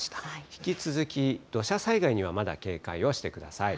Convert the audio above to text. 引き続き土砂災害にはまだ警戒はしてください。